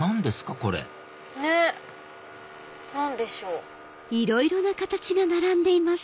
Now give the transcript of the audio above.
これねぇ何でしょう。